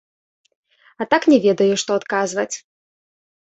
А так не ведаю, што адказваць.